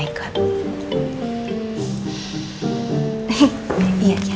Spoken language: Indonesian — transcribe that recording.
andin ke toilet kenapa bawa handphone